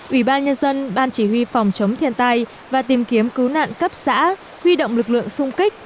ubnd ban chỉ huy phòng chống thiên tai và tìm kiếm cứu nạn cấp xã huy động lực lượng xung kích